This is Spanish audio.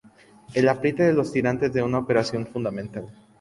El apriete de los tirantes de una operación fundamental.